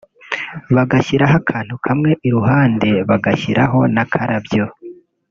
bagashyiraho akantu kamwe iruhande bagashyiraho n’akarabyo